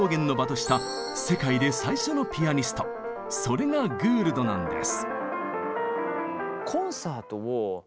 それがグールドなんです。